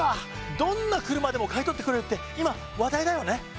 どんな車でも買い取ってくれるって今話題だよね。